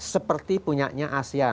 seperti punyanya aceh